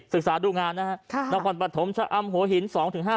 ศึกษาดูงานนะฮะค่ะนครปฐมชะอำโหหินสองถึงห้า